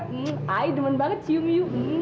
saya demen banget cium you